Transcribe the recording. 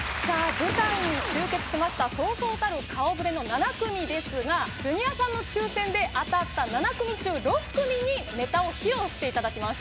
舞台に集結しましたそうそうたる顔ぶれの７組ですがジュニアさんの抽選で当たった７組中６組にネタを披露していただきます